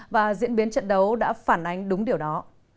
và diễn biến trận đấu đã phản ánh đúng điều đó